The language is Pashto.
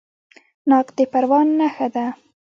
ناک د پروان نښه ده.